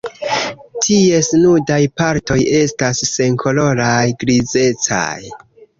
Ties nudaj partoj estas senkoloraj grizecaj.